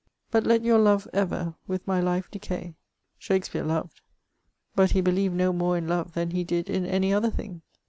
But let your love ever with my life decay." Shakspeare loyed ; but he believed no more in love than be did in any other thing.